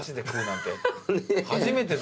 初めて。